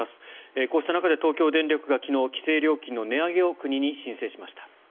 こうした中で東京電力が規制料金の値上げを昨日国に申請しました。